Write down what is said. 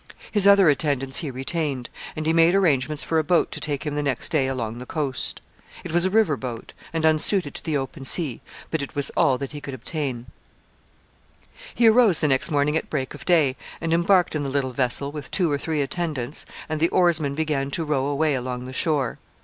His other attendants he retained, and he made arrangements for a boat to take him the next day along the coast. It was a river boat, and unsuited to the open sea, but it was all that he could obtain. [Sidenote: Pompey embarks on board a vessel.] [Sidenote: The shipmaster's dream.] He arose the next morning at break of day, and embarked in the little vessel, with two or three attendants, and the oarsmen began to row away along the shore.